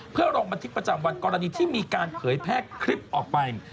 เพื่อลงบันทึกประจำวันกรณีที่มีการเผยแพร่คลิปออกไป